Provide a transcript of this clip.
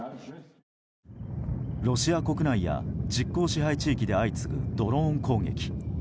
ロシア国内や実効支配地域で相次ぐドローン攻撃。